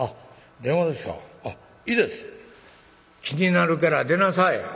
「気になるから出なさい」。